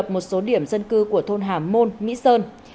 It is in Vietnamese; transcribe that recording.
một số điểm dân cư của thôn hà môn mỹ sơn